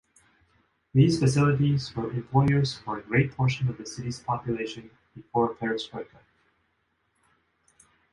These facilities were employers for a great portion of the city's population before perestroika.